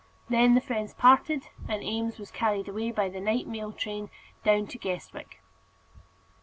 Then the friends parted, and Eames was carried away by the night mail train down to Guestwick.